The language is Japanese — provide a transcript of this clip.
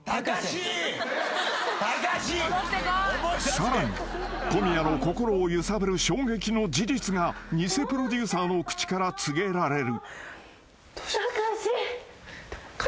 ［さらに小宮の心を揺さぶる衝撃の事実が偽プロデューサーの口から告げられる］